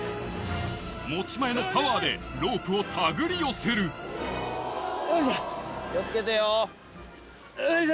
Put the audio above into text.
持ち前のパワーでロープを手繰り寄せるおいしょ。